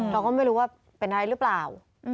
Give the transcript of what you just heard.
เราก็ไม่รู้ว่าเป็นอะไรหรือเปล่า